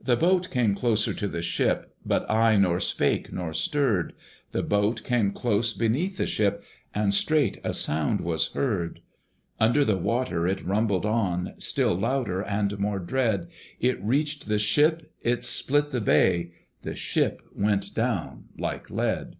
The boat came closer to the ship, But I nor spake nor stirred; The boat came close beneath the ship, And straight a sound was heard. Under the water it rumbled on, Still louder and more dread: It reached the ship, it split the bay; The ship went down like lead.